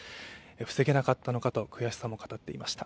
防げなかったのかと悔しさを語っていました。